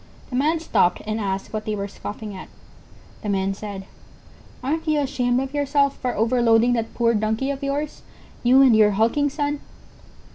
The Man stopped and asked what they were scoffing at. The men said: "Aren't you ashamed of yourself for overloading that poor Donkey of yours—you and your hulking son?"